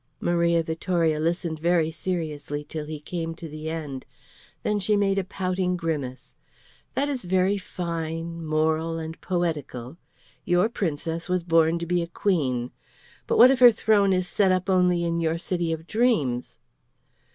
Maria Vittoria listened very seriously till he came to the end. Then she made a pouting grimace. "That is very fine, moral, and poetical. Your Princess was born to be a queen. But what if her throne is set up only in your city of dreams?